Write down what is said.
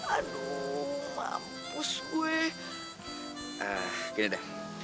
aduh mampus gue